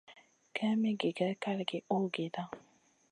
Kaïn mi gigè kalgi uhgida.